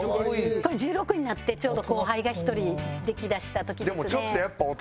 これ１６になってちょうど後輩が１人できだした時ですね。